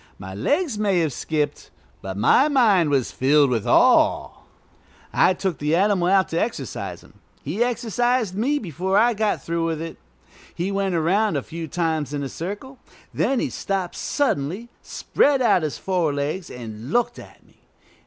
My legs may have skipped, but my mind was filled with awe. I took the animal out to exercise him. He exercised me before I got through with it. He went around a few times in a circle; then he stopped suddenly, spread out his forelegs, and looked at me.